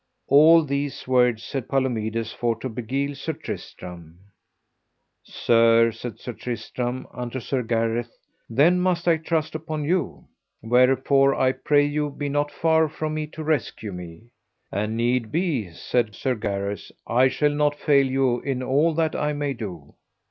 All these words said Palomides for to beguile Sir Tristram. Sir, said Sir Tristram unto Sir Gareth, then must I trust upon you; wherefore I pray you be not far from me to rescue me. An need be, said Sir Gareth, I shall not fail you in all that I may do.